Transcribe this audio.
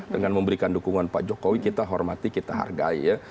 dengan memberikan dukungan pak jokowi kita hormati kita hargai ya